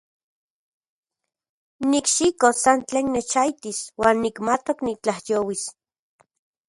Nikxikos san tlen nechaijtis uan nimatok nitlajyouis.